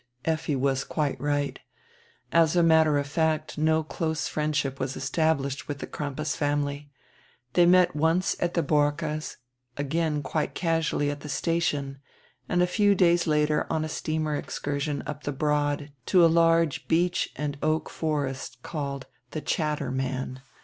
Effi was quite right. As a matter of fact no close friend ship was established with die Crampas family. They met once at die Borckes', again quite casually at die station, and a few days later on a steamer excursion up die "Broad" to a large beech and oak forest called "The Chatter man."